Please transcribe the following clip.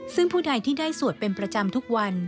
ซึ่งผู้ใดที่ได้สวดเป็นประจำทุกวัน